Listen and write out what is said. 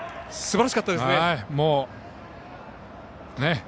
すばらしかったですね。